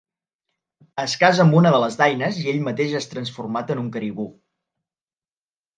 Es casa amb una de les daines i ell mateix és transformat en caribú.